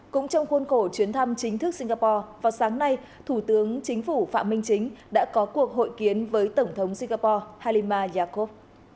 cũng trong khuôn khổ chuyến thăm chính thức singapore vào sáng nay thủ tướng chính phủ phạm minh chính đã có cuộc hội kiến với tổng thống singapore halima yakov